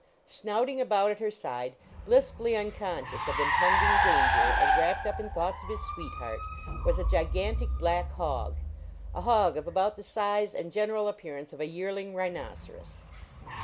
Snouting about at her side, blissfully unconscious of impending danger and wrapped up in thoughts of his sweetheart, was a gigantic black hog a hog of about the size and general appearance of a yearling rhinoceros.